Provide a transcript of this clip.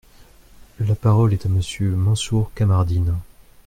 La parole est à Monsieur Mansour Kamardine.